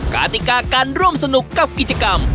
กติกาการร่วมสนุกกับกิจกรรม